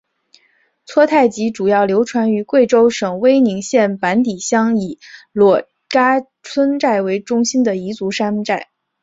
撮泰吉主要流传于贵州省威宁县板底乡以裸戛村寨为中心的彝族山寨。